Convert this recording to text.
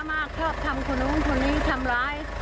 ภาษาแรกที่สุดท้าย